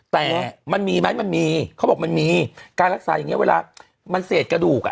แต่มันมีไหมมันมีเขาบอกมันมีการรักษาอย่างเงี้เวลามันเศษกระดูกอ่ะ